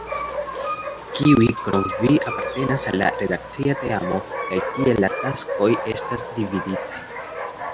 Kiuj krom vi apartenas al la redakcia teamo, kaj kiel la taskoj estas dividitaj?